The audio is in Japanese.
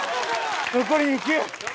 残り２球！